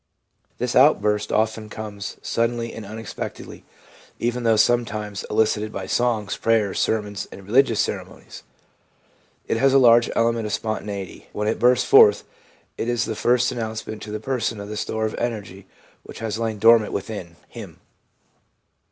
This outburst 396 THE PSYCHOLOGY OF RELIGION often comes suddenly and unexpectedly, even though sometimes elicited by songs, prayers, sermons and religious ceremonies. It has a large element of spontaneity. When it bursts forth, it is the first announcement to the person of the store of energy which has lain dormant within him.